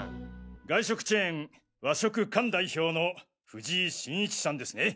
外食チェーン和食「勘」代表の藤井真一さんですね？